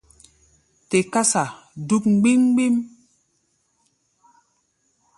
Te kása dúk gbím-gbím.